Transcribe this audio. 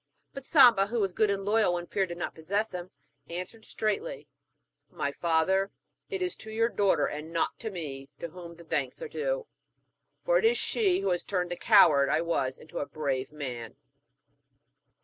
But Samba, who was good and loyal when fear did not possess him, answered straightly: 'My father, it is to your daughter and not to me to whom thanks are due, for it is she who has turned the coward that I was into a brave man.'